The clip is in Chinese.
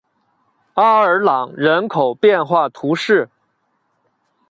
阿尔朗人口变化图示